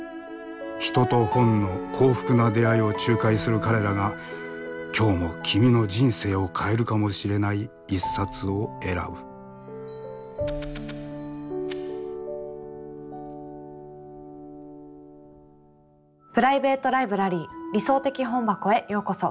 人と本の幸福な出会いを仲介する彼らが今日も君の人生を変えるかもしれない一冊を選ぶプライベート・ライブラリー「理想的本箱」へようこそ。